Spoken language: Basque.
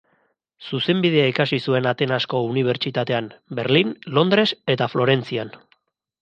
Zuzenbidea ikasi zuen Atenasko Unibertsitatean, Berlin, Londres eta Florentzian.